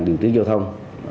điều tiến giao thông